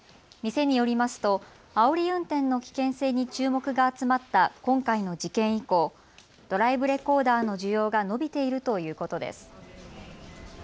店によりますと、あおり運転の危険性に注目が集まった今回の事件以降、ドライブレコーダーの需要が伸びているということです。